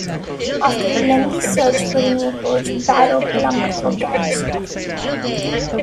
After a lengthy search for a new coach, Barrow plumped for Garry Schofield.